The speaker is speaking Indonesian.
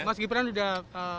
mas ibran sudah